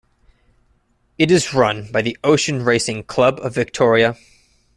It is run by the Ocean Racing Club of Victoria.